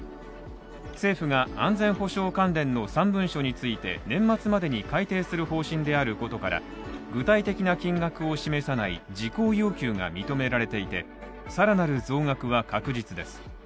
政府が安全保障関連の３文書について年末までに改定する方針であることから具体的な金額を示さない事項要求が認められていて更なる増額は確実です。